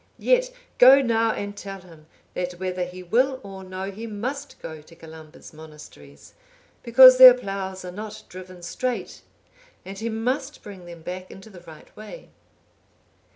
Yet, go now and tell him, that whether he will or no, he must go to Columba's monasteries, because their ploughs are not driven straight; and he must bring them back into the right way."